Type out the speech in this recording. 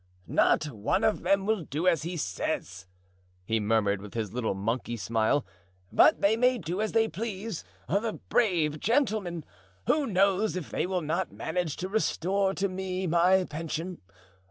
"Not one of them will do as he says," he murmured, with his little monkey smile; "but they may do as they please, the brave gentlemen! Who knows if they will not manage to restore to me my pension?